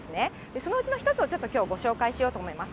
そのうちの１つをちょっときょう、ご紹介しようと思います。